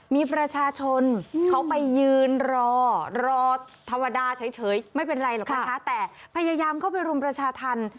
มีประชาชนเขาไปยืนรอรอธรรมดาเฉยไม่เป็นไรหรอกนะคะแต่พยายามเข้าไปรุมประชาธรรม